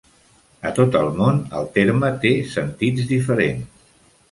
A tot el món, el terme té sentits diferents.